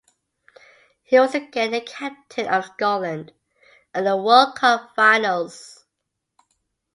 He was again the captain of Scotland at the World Cup finals.